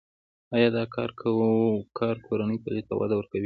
آیا دا کار کورني تولید ته وده ورکوي؟